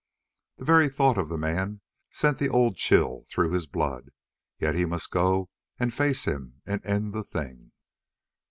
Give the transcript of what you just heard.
The very thought of the man sent the old chill through his blood, yet he must go and face him and end the thing.